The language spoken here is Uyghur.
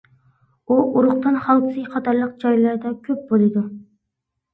ئۇ ئۇرۇقدان خالتىسى قاتارلىق جايلاردا كۆپ بولىدۇ.